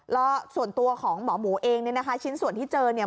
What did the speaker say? แล้วส่วนตัวของหมอหมูเองเนี่ยนะคะชิ้นส่วนที่เจอเนี่ย